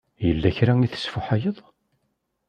Yella kra i tesfuḥayeḍ?